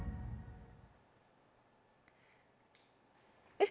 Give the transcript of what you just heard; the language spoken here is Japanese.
えっ。